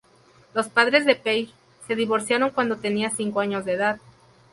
Los padres de Page se divorciaron cuando tenía cinco años de edad.